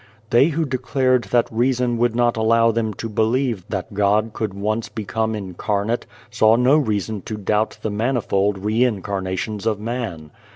They who declared that reason would not allow them to believe that God could once become Incarnate, saw no reason to doubt the manifold Re incarnations of Man.